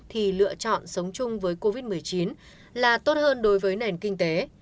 thì lựa chọn sống chung với covid một mươi chín là tốt hơn đối với nền kinh tế